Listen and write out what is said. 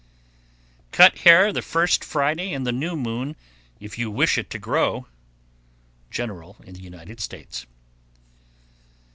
Cut hair the first Friday in the new moon, if you wish it to grow. _General in the United States.